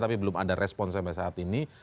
tapi belum ada respon sampai saat ini